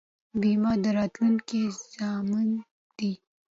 بیمه د راتلونکي تضمین دی.